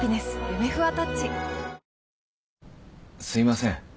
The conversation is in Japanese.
すいません